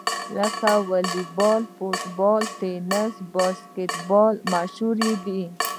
لکه واليبال، فوټبال، ټېنیس او باسکیټبال مشهورې دي.